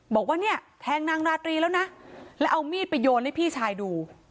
บอกว่าเนี่ยแทงนางราตรีแล้วนะแล้วเอามีดไปโยนให้พี่ชายดู